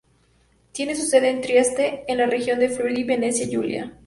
Tiene su sede en Trieste, en la región de Friuli-Venecia Julia.